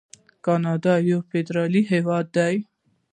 کاناډا یو فدرالي هیواد دی.